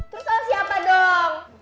terus lo siapa dong